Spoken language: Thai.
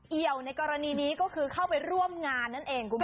ี่ยวในกรณีนี้ก็คือเข้าไปร่วมงานนั่นเองคุณผู้ชม